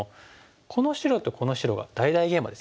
この白とこの白が大々ゲイマですよね。